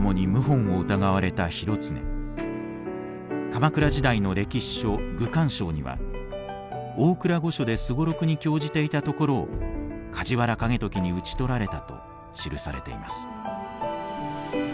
鎌倉時代の歴史書「愚管抄」には大倉御所で双六に興じていたところを梶原景時に討ち取られたと記されています。